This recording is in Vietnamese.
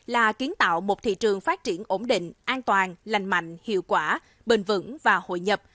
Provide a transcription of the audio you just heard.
là kiến tạo một thị trường phát triển ổn định an toàn lành mạnh hiệu quả bền vững và hội nhập